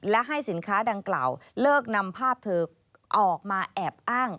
และให้สินค้าดังกล่าวเลิกนำภาพเธอออกมาแอบอ้าง